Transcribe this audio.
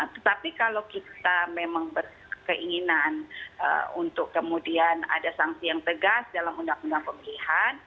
tetapi kalau kita memang berkeinginan untuk kemudian ada sanksi yang tegas dalam undang undang pemilihan